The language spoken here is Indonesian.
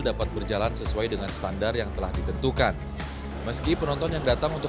dapat berjalan sesuai dengan standar yang telah ditentukan meski penonton yang datang untuk